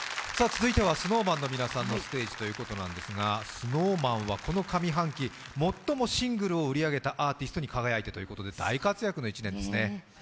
続いては、ＳｎｏｗＭａｎの皆さんのステージということなんですが、ＳｎｏｗＭａｎはこの上半期、最もシングルを売り上げたアーティストに輝いたということで大活躍の一年ですね。